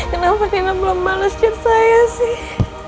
kenapa kena belum bales cat saya sih